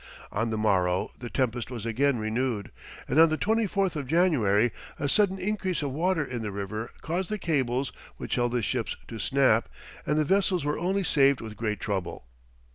On the morrow the tempest was again renewed, and on the 24th of January, a sudden increase of water in the river caused the cables which held the ships to snap, and the vessels were only saved with great trouble.